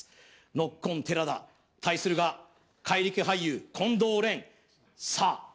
ノッコン寺田対するが怪力俳優近藤廉さあ